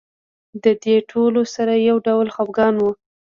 د دې ټولو سره یو ډول خپګان و.